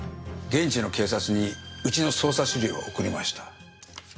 現地の警察にうちの捜査資料を送りました。